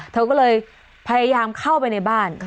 เธอก็เลยพยายามเข้าไปในบ้าน